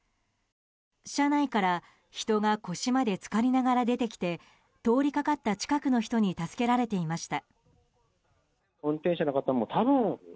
車内から、人が腰まで浸かりながら出てきて通りかかった近くの人に助けられていました。